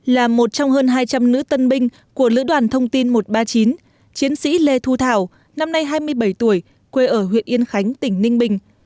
là một trong hơn hai trăm linh nữ tân binh của lữ đoàn thông tin một trăm ba mươi chín chiến sĩ lê thu thảo năm nay hai mươi bảy tuổi quê ở huyện yên khánh tỉnh ninh bình